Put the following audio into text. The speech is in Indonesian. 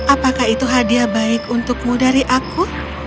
apakah itu hadiah baik untukmu dari aku